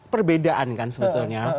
perbedaan kan sebetulnya